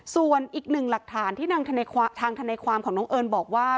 ส่วนอีกหนึ่งหลักฐานที่ทางธนายความของน้องเอิญบอกว่า